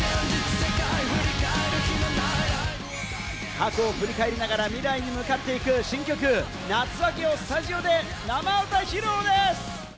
過去を振り返りながら未来に向かっていく新曲『夏暁』をスタジオで生歌披露です。